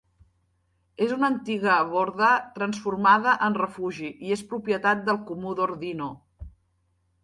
És una antiga borda transformada en refugi i és propietat del Comú d'Ordino.